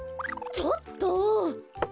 ちょっと！